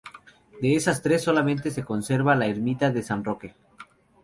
De estas tres, solamente se conserva la Ermita de San Roque.